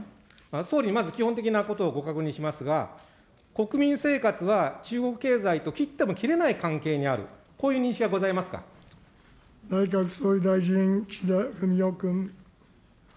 総理、まず基本的なことをご確認しますが、国民生活は中国経済と切っても切れない関係にある、こ内閣総理大臣、岸田文雄君。